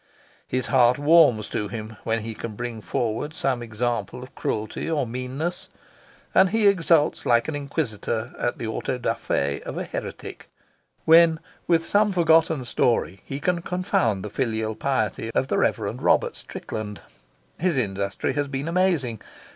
His heart warms to him when he can bring forward some example of cruelty or meanness, and he exults like an inquisitor at the of an heretic when with some forgotten story he can confound the filial piety of the Rev. Robert Strickland. His industry has been amazing.